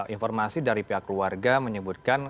informasi dari pihak keluarga menyebutkan